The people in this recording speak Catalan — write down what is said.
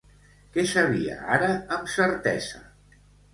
Què sabia ara amb certesa?